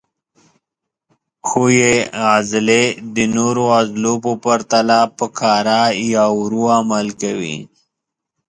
ښویې عضلې د نورو عضلو په پرتله په کراه یا ورو عمل کوي.